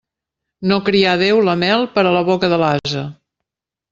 No crià Déu la mel per a la boca de l'ase.